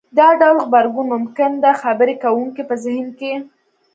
دا ډول غبرګون ممکن د خبرې کوونکي په زهن کې